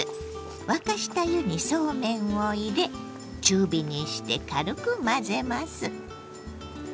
沸かした湯にそうめんを入れ中火にして軽く混ぜます。